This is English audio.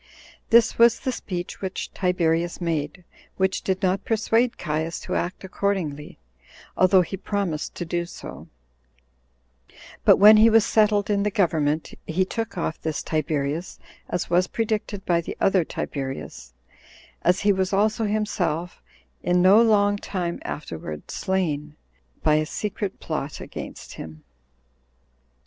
This was the speech which Tiberius made, which did not persuade Caius to act accordingly, although he promised so to do; but when he was settled in the government, he took off this Tiberius, as was predicted by the other Tiberius; as he was also himself, in no long time afterward, slain by a secret plot laid against him.